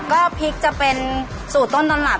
ก็พริกจะเป็นสูตรต้นตำรับ